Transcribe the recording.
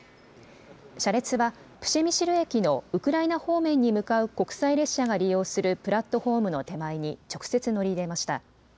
車列はプシェミシル駅のウクライナ方面に向かう国際列車が利用するプラットホームの手前に直接乗り入れました。